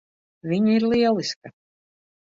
Viņa ir lieliska.